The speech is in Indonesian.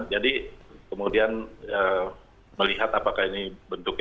jadi kemudian melihat apa yang terjadi